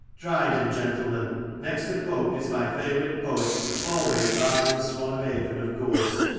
Dryden, gentlemen, next to Pope, is my favourite poet — always barring the Swan of Avon, of course.